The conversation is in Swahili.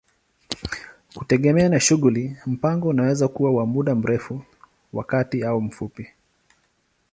Kutegemea na shughuli, mpango unaweza kuwa wa muda mrefu, wa kati au mfupi.